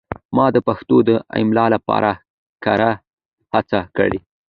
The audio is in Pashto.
ما د پښتو د املا لپاره کره هڅه وکړه.